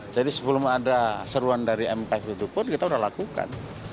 jadi sebelum ada seruan dari mk fidupun kita sudah lakukan